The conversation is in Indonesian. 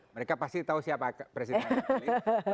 mereka pasti tahu siapa presidennya